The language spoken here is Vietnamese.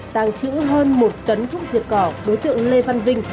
tàng trữ hơn một tấn thuốc diệt cỏ đối tượng lê văn vinh